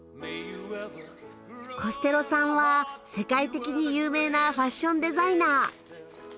コステロさんは世界的に有名なファッションデザイナー。